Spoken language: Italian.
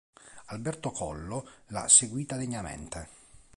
Alberto Collo l'ha seguita degnamente.